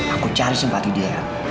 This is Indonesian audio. aku cari simpati dia